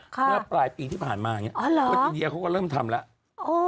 ในปลายปีที่ผ่านมาเหมือนกับอินเดียเขาก็เริ่มทำแล้ว